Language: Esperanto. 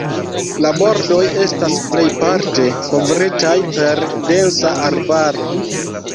La bordoj estas plejparte kovritaj per densa arbaro.